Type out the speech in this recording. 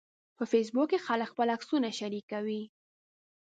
په فېسبوک کې خلک خپل عکسونه شریکوي